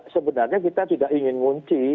sebenarnya kita tidak ingin ngunci